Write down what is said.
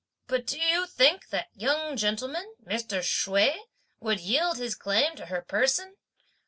But do you think that young gentleman, Mr. Hsüeh, would yield his claim to her person?